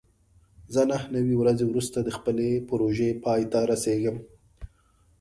زه نهه نوي ورځې وروسته د خپلې پروژې پای ته رسېږم.